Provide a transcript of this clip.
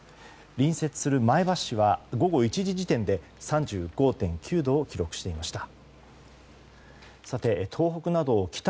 隣接する前橋市は午後１時時点で３５．９度を記録していました。